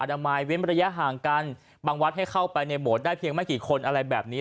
นามัยเว้นระยะห่างกันบางวัดให้เข้าไปในโบสถ์ได้เพียงไม่กี่คนอะไรแบบนี้